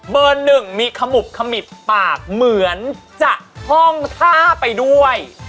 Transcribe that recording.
หนึ่งมีขมุบขมิบปากเหมือนจะท่องท่าไปด้วย